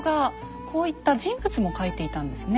こういった人物も描いていたんですね。